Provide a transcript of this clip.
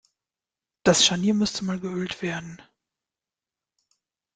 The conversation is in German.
Das Scharnier müsste mal geölt werden.